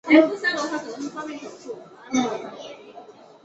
北与杉并区梅里之间以五日市街道为界。